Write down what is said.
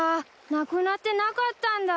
なくなってなかったんだ。